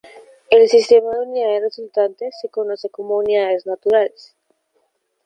El sistema de unidades resultante se conoce como unidades naturales.